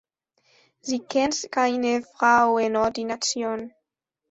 Sie kennt keine Frauenordination.